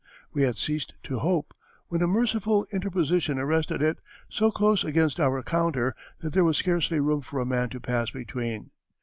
We had ceased to hope, when a merciful interposition arrested it, so close against our counter that there was scarcely room for a man to pass between.